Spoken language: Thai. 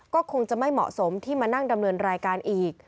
ก็คงจะไม่เหมาะสมที่มานั่งดำเนินรายการอีก